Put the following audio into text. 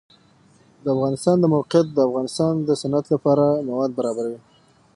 د افغانستان د موقعیت د افغانستان د صنعت لپاره مواد برابروي.